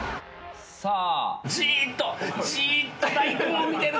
さあ。